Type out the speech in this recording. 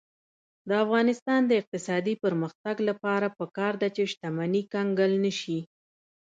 د افغانستان د اقتصادي پرمختګ لپاره پکار ده چې شتمني کنګل نشي.